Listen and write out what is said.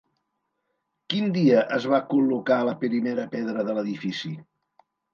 Quin dia es va col·locar la primera pedra de l'edifici?